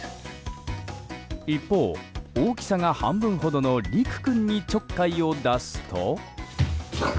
一方、大きさが半分ほどのリク君にちょっかいを出すと。